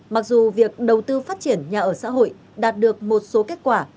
mặc dù việc đầu tư phát triển nhà ở xã hội đạt được một số kết quả